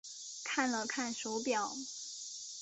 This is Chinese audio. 看了看手表